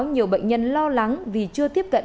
nhiều bệnh nhân lo lắng vì chưa tiếp cận